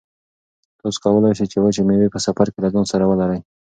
تاسو کولای شئ چې وچې مېوې په سفر کې له ځان سره ولرئ.